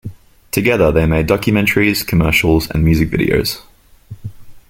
Together they made documentaries, commercials and music videos.